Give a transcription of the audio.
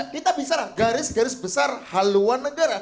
kita bicara garis garis besar haluan negara